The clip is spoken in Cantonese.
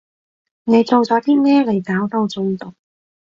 你做咗啲咩嚟搞到中毒？